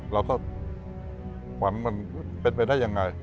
เราก็ฝันมันเป็นไปได้ยังไง